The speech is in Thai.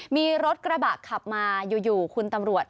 มีรถกระบะขับมาอยู่คุณตำรวจ